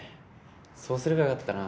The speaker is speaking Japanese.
そうすればよかったな。